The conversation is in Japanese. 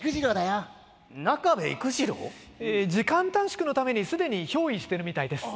時間短縮のためにすでに憑依してるみたいです。